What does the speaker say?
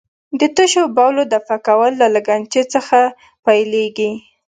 د تشو بولو دفع کول له لګنچې څخه پیلېږي.